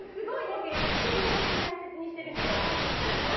唇大切にしているみたいで。